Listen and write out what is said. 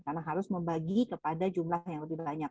karena harus membagi kepada jumlah yang lebih banyak